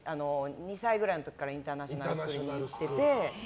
２歳ぐらいの時からインターナショナルスクールに行ってて。